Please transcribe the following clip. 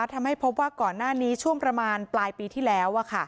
ทำให้พบว่าก่อนหน้านี้ช่วงประมาณปลายปีที่แล้ว